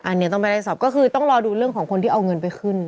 อันนี้ต้องไปไล่สอบก็คือต้องรอดูเรื่องของคนที่เอาเงินไปขึ้น